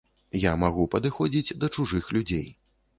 Я магу падыходзіць да чужых людзей.